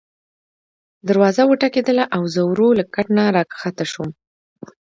دروازه وټکېدله او زه ورو له کټ نه راکښته شوم.